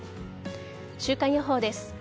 週間予報です。